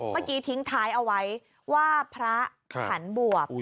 เมื่อกี้ทิ้งท้ายเอาไว้ว่าพระขันบวบ